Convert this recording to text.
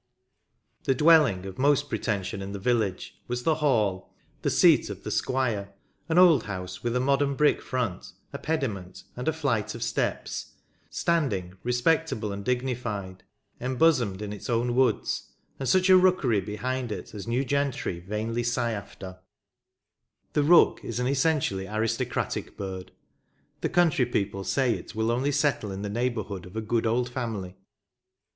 The dwelling of most pretension in the village was the *' Hall,*' the seat of the Squire, an old house with a modern brick front, a pediment and a flight of steps; standing, respectable and dignified, embosomed in its own woods, and such a rookery behind it as new gentry vainly sigh after. Lancashire Memories. The rook is an essentially aristocratic bird ; the country people say it will only settle in the neighbourhood of a good old family.